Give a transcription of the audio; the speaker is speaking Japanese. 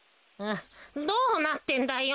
どうなってんだよ。